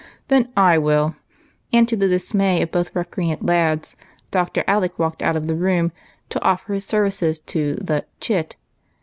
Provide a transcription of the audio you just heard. " Then I will," and, to the dismay of both recreant lads, Dr. Alec walked out of the room to offer his ser vices to the " chit."